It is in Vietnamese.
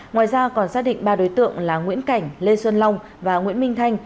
ngoài ra còn xác định ba đối tượng là nguyễn cảnh lê xuân long và nguyễn minh thanh